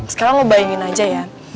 sekarang lo buyingin aja ya